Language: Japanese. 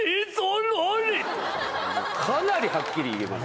かなりはっきり言えますね。